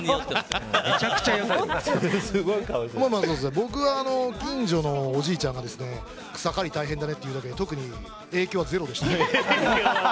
僕は、近所のおじいちゃんが草刈り大変だねって言うだけで影響はゼロでした。